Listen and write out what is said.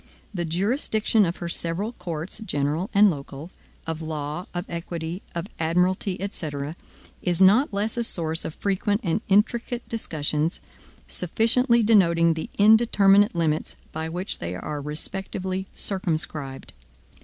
The jurisdiction of her several courts, general and local, of law, of equity, of admiralty, etc., is not less a source of frequent and intricate discussions, sufficiently denoting the indeterminate limits by which they are respectively circumscribed.